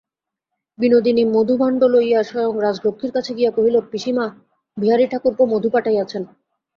বিনোদিনী মধুভাণ্ড লইয়া স্বয়ং রাজলক্ষ্মীর কাছে গিয়া কহিল, পিসিমা, বিহারী-ঠাকুরপো মধু পাঠাইয়াছেন।